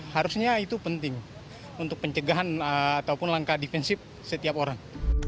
harusnya itu penting untuk pencegahan ataupun langkah defensif setiap orang